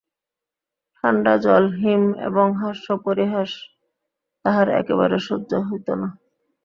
ঠাণ্ডা জল, হিম, এবং হাস্যপরিহাস তাহার একেবারে সহ্য হইত না।